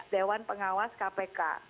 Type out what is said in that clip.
dewan pengawas kpk